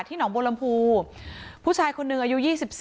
หนองบัวลำพูผู้ชายคนหนึ่งอายุ๒๔